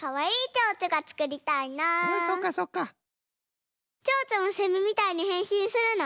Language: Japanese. チョウチョもセミみたいにへんしんするの？